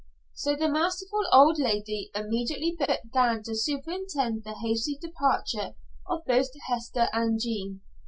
So the masterful old lady immediately began to superintend the hasty departure of both Hester and Jean.